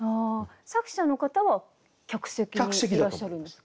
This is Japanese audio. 作者の方は客席にいらっしゃるんですよね。